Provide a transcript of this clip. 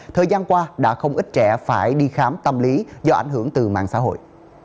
thời gian qua đã không ít trẻ phải đi khám tâm lý do ảnh hưởng từ mạng xã hội